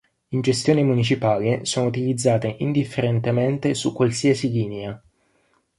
In gestione municipale sono utilizzate indifferentemente su qualsiasi linea.